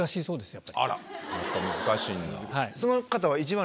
やっぱ難しいんだ。